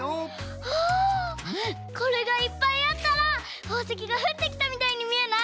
あこれがいっぱいあったらほうせきがふってきたみたいにみえない？